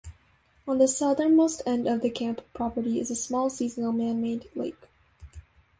On the southernmost end of the camp property is a small seasonal man-made lake.